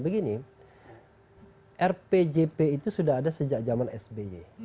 begini rpjp itu sudah ada sejak zaman sby